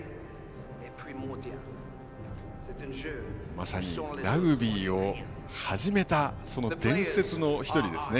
まさに、ラグビーを始めたその伝説の１人ですね。